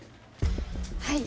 はい。